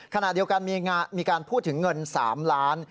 ขณะเดียวกันมีการพูดถึงเงิน๓ล้าน